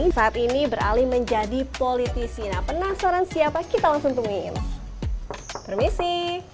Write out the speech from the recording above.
saat ini beralih menjadi politisi nah penasaran siapa kita langsung temuin permisi